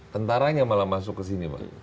tentaranya malah masuk ke sini pak